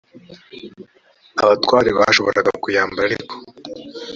abatware bashoboraga kuyambara ariko